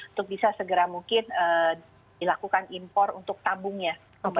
untuk bisa segera mungkin dilakukan impor untuk tabungnya